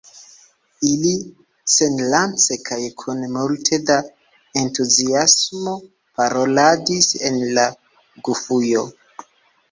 Ili senlace kaj kun multe da entuziasmo paroladis en la Gufujo.